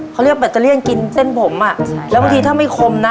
เขาเรียกแบตเตอเลี่ยนกินเส้นผมอ่ะใช่แล้วบางทีถ้าไม่คมนะ